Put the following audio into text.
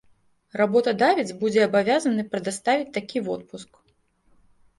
Работадавец будзе абавязаны прадаставіць такі водпуск.